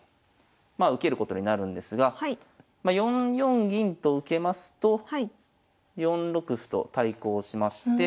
まあ受けることになるんですがま４四銀と受けますと４六歩と対抗しまして。